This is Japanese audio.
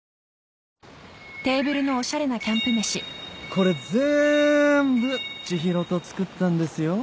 これぜんぶ知博と作ったんですよ。